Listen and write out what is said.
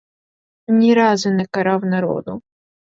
Ні разу не карав народу.